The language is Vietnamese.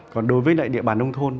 còn đối với lại địa bàn nông thôn